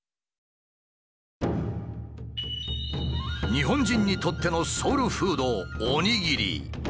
日本人にとってのソウルフードおにぎり。